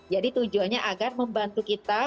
jadi tujuannya agar membantu kita